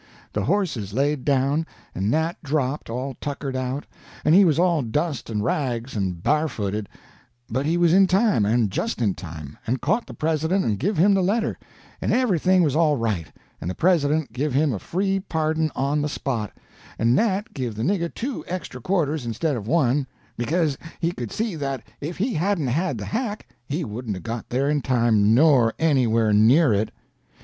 The horses laid down, and Nat dropped, all tuckered out, and he was all dust and rags and barefooted; but he was in time and just in time, and caught the President and give him the letter, and everything was all right, and the President give him a free pardon on the spot, and Nat give the nigger two extra quarters instead of one, because he could see that if he hadn't had the hack he wouldn't'a' got there in time, nor anywhere near it.